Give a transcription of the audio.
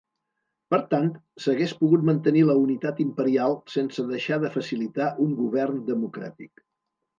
Per tant, s'hagués pogut mantenir la unitat imperial sense deixar de facilitar un govern democràtic.